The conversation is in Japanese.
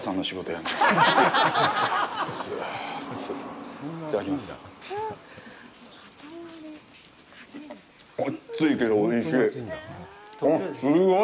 あっついけど、おいしい。